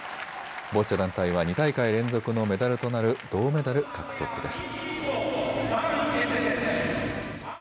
ボッチャ団体は２大会連続のメダルとなる銅メダル獲得です。